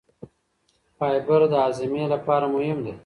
فایبر د هاضمې لپاره مهم دی.